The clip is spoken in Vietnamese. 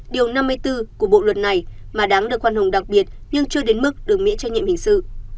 điều năm mươi bốn của bộ luật này mà đáng được khoan hồng đặc biệt nhưng chưa đến mức được miễn trách nhiệm hình sự